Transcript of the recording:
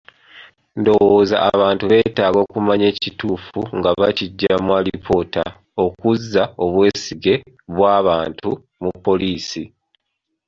Ndowooza abantu beetaaga okumanya ekituufu nga bakiggya mu alipoota, okuzza obwesige bw'abantu mu poliisi.